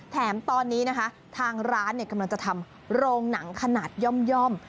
แถมตอนนี้นะคะทางร้านกำลังจะทำโรงหนังขนาดย่อม